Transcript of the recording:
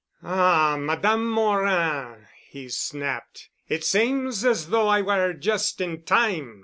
"Ah, Madame Morin," he snapped, "it seems as though I were just in time.